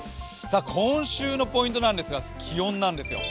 今週のポイントなんですが気温なんですよ。